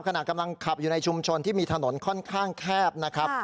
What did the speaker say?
ขณะกำลังขับอยู่ในชุมชนที่มีถนนค่อนข้างแคบนะครับ